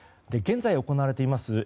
現在、行われています